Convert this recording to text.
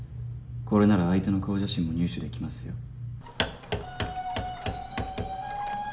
これなら相手の顔写真も入手できますよ